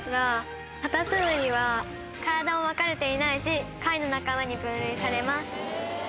カタツムリは体も分かれていないし貝の仲間に分類されます。